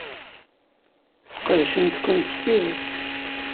Sqedcent-kent s tidet.